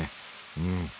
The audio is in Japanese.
うん。